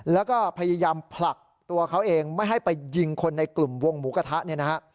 แล้วก็พยายามผลักตัวเขาเองไม่ให้ไปยิงคนในกลุ่มวงหมูกระทะเนี่ยนะฮะ